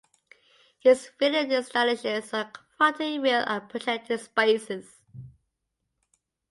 His video-installations are confronting real and projected spaces.